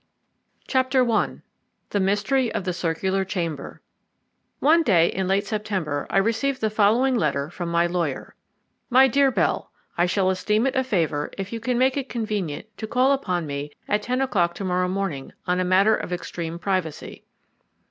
I THE MYSTERY OF THE CIRCULAR CHAMBER One day in late September I received the following letter from my lawyer: "My Dear Bell, "I shall esteem it a favour if you can make it convenient to call upon me at ten o'clock to morrow morning on a matter of extreme privacy."